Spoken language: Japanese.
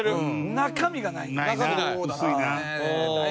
中身ない。